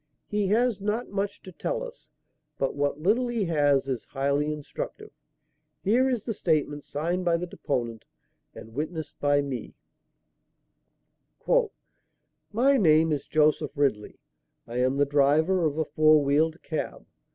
He has not much to tell us, but what little he has is highly instructive. Here is the statement, signed by the deponent and witnessed by me: "'My name is Joseph Ridley. I am the driver of a four wheeled cab.